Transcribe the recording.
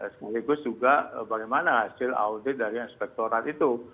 semua itu juga bagaimana hasil audit dari inspektorat itu